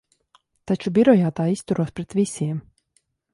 Taču birojā tā izturos pret visiem.